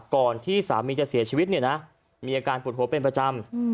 ก่อนที่สามีจะเสียชีวิตเนี่ยนะมีอาการปวดหัวเป็นประจำ